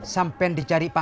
sampai di cari pak mbak